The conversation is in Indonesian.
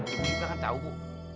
ibu juga kan tahu bu